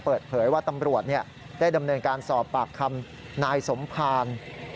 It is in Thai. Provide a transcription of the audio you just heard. เปิดเผยว่าตำรวจได้ดำเนินการสอบปากคำนายสมภาร